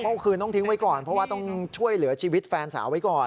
เมื่อคืนต้องทิ้งไว้ก่อนเพราะว่าต้องช่วยเหลือชีวิตแฟนสาวไว้ก่อน